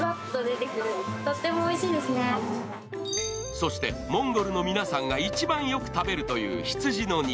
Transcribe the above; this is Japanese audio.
そしてモンゴルの皆さんが一番よく食べるという羊の肉。